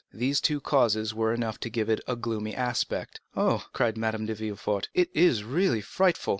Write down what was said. These two causes were enough to give it a gloomy aspect. "Oh." cried Madame de Villefort, "it is really frightful."